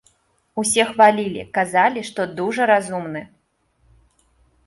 Усе хвалілі, казалі, што дужа разумны.